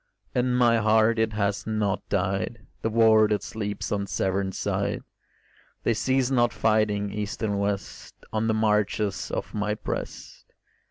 In my heart it has not died, The war that sleeps on Severn side; They cease not fighting, east and west, On the marches of my breast.